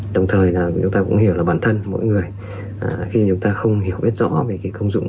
đồng thời là chúng ta cũng hiểu là bản thân mỗi người khi chúng ta không hiểu biết rõ về cái công dụng